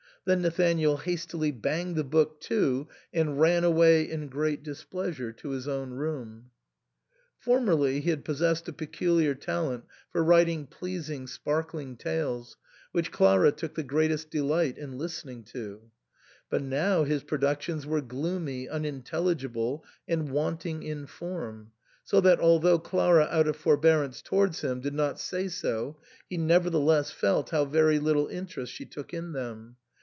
Then Nathanael hastily banged the book to and ran away in great displeasure to his own room. Formerly he had possessed a peculiar talent for writ ing pleasing, sparkling tales, which Clara took the greatest delight in listening to ; but now his productions were gloomy, unintelligible, and wanting in form, so that, although Clara out of forbearance towards him did not say so, he nevertheless felt how very little interest she took in them.